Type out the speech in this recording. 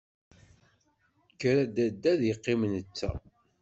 Kker a dadda ad iqqim netta.